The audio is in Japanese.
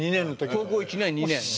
高校１年２年ね。